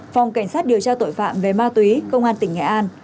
phòng cảnh sát điều tra tội phạm về ma túy công an tỉnh nghệ an